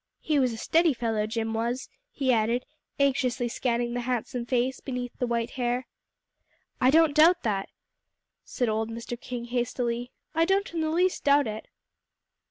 He was a steady fellow, Jim was," he added, anxiously scanning the handsome face beneath the white hair. "I don't doubt that," said old Mr. King hastily. "I don't in the least doubt it."